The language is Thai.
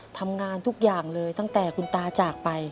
ทำงานทุกอย่างเลยตั้งแต่คุณตาจากไป